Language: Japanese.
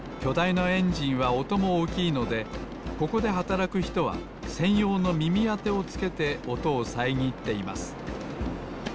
いなエンジンはおともおおきいのでここではたらくひとはせんようのみみあてをつけておとをさえぎっています。